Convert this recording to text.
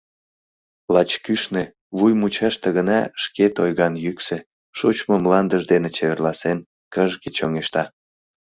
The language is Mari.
Лач кӱшнӧ, вуй мучаште гына шкет ойган йӱксӧ, шочмо мландыж дене чеверласен, кыжге чоҥешта.